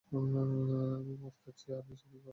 আমি মদ খাচ্ছি আর নেশা কী তোর হয়ে গেছে নাকি।